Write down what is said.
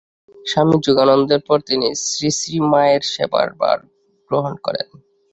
স্বামী যোগানন্দের পর তিনি শ্রীশ্রীমায়ের সেবার ভার গ্রহণ করেন।